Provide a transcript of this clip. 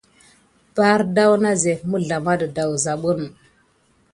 Bardaz na zef mizlama de dasmin.